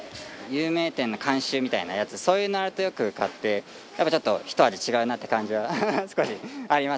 有名店の監修みたいなやつそういうのあるとよく買ってやっぱちょっとひと味違うなって感じは少しありますね。